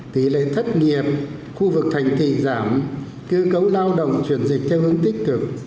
tỷ lệ thất nghiệp khu vực thành thị giảm cơ cấu lao động chuyển dịch theo hướng tích cực